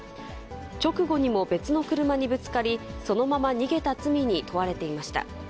直後にも別の車にぶつかり、そのまま逃げた罪に問われていました。